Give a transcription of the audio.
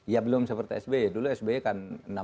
ya belum seperti sby dulu sby kan